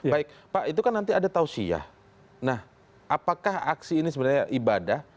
baik pak itu kan nanti ada tausiyah nah apakah aksi ini sebenarnya ibadah